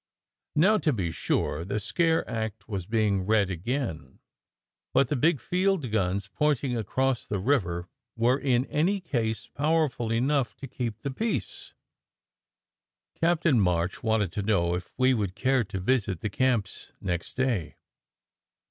Now to be sure, the "scare act" was being read again, but the big field guns pointing across the river were in any case powerful enough to keep 96 SECRET HISTORY the peace. Captain March wanted to know if we would care to visit the camps next day.